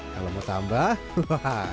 kalau mau tambah hahaha